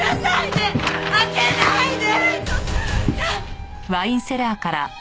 ねえ開けないで！